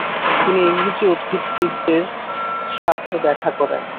তিনি ইংরেজি উদ্ভিদবিদদের সাথে দেখা করেন।